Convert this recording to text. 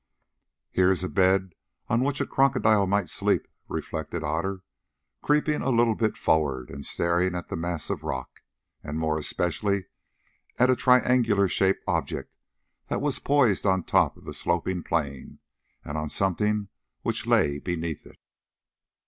"Here is a bed on which a crocodile might sleep," reflected Otter, creeping a little further forward and staring at the mass of rock, and more especially at a triangular shaped object that was poised on the top of the sloping plane, and on something which lay beneath it.